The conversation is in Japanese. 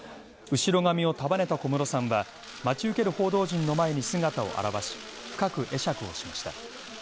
後ろ髪を束ねた小室さんは、待ち受ける報道陣の前に姿を現し深く会釈をしました。